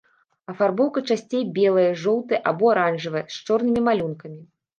Афарбоўка часцей белая, жоўтая або аранжавая, з чорным малюнкам.